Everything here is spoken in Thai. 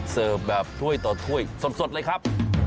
เสิร์ฟแบบถ้วยต่อถ้วยสดเลยครับ